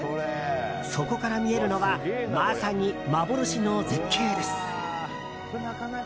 そこから見えるのはまさに幻の絶景です。